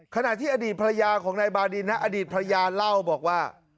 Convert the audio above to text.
ขณะที่อดีตภรรยาของนายบาดินนะอดีตภรรยาเล่าบอกว่า